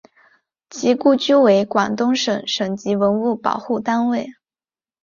其故居为广东省省级文物保护单位。